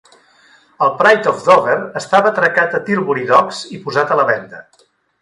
El "Pride of Dover" estava atracat a Tilbury Docks i posat a la venda.